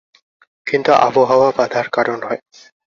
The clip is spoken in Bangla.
কিন্তু আবহাওয়া বাঁধার কারণ হয়।